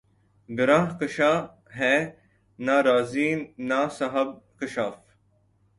گرہ کشا ہے نہ رازیؔ نہ صاحب کشافؔ